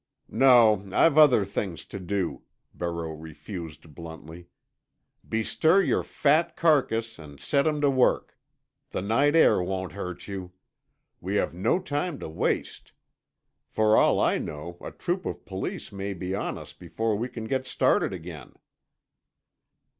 "No, I've other things to do," Barreau refused bluntly. "Bestir your fat carcass, and set him to work. The night air won't hurt you. We have no time to waste. For all I know a troop of Police may be on us before we can get started again."